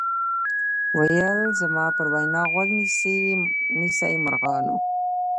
ویل زما پر وینا غوږ نیسۍ مرغانو